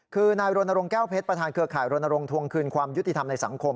คือนายรณรงค์แก้วเพชรประธานเครือข่ายรณรงควงคืนความยุติธรรมในสังคม